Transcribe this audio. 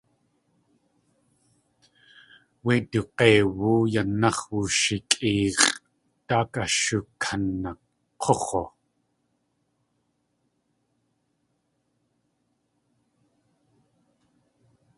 Wéi du g̲eiwú yanax̲ wushikʼéex̲ʼ daak ashukanak̲úx̲u.